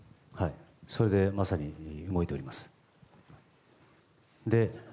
それでまさに動いております。